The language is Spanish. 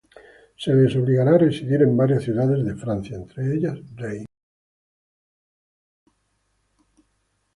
Se les obligará a residir en varias ciudades de Francia, entre ellas, Reims.